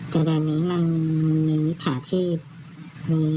แต่แดดนี้มันมีมิจฉาชีพ